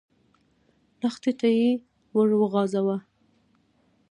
لښتي ته يې ور وغځاوه.